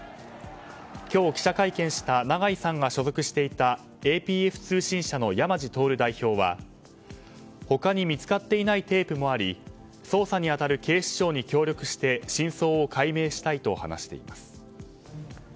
今日、記者会見した長井さんが所属していたＡＰＦ通信社の山路徹代表は他に見つかっていないテープもあり捜査に当たる警視庁に協力して真相を解明したいと話しています。